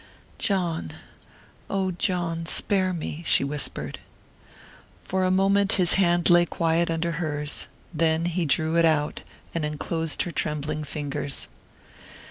"John...oh, John, spare me," she whispered. For a moment his hand lay quiet under hers; then he drew it out, and enclosed her trembling fingers.